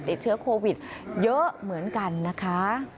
ติดเชื้อโควิดเยอะเหมือนกันนะคะ